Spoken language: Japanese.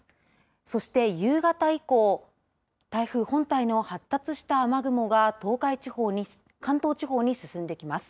そして夕方以降台風本体の発達した雨雲が関東地方に進んできます。